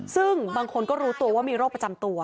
ซึ่งบางคนก็รู้ตัวว่ามีโรคประจำตัว